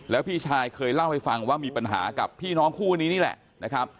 แล้วพี่ชายเคยเล่าให้ฟังว่ามีปัญหากับพี่น้องคู่นี้นี่แหละนะครับ